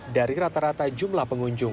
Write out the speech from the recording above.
dari rata rata jumlah pengunjung